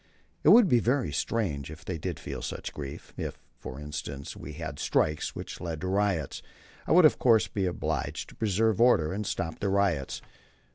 It would be very strange if they did feel such grief. If, for instance, we had strikes which led to riots, I would of course be obliged to preserve order and stop the riots.